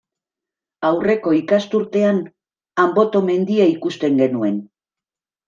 Aurreko ikasturtean Anboto mendia ikusten genuen.